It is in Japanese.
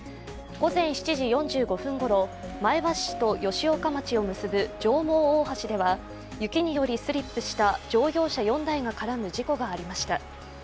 午前７時４５分ごろ前橋市と吉岡町を結ぶ上毛大橋では雪によりスリップした乗用車４台が絡む事故がありました